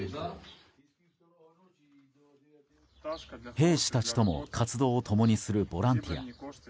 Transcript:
兵士たちとも活動を共にするボランティア。